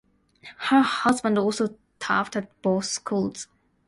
Her husband also taught at both schools.